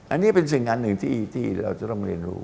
อันนี้เป็นสิ่งอันหนึ่งที่เราจะต้องเรียนรู้